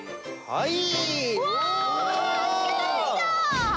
はい。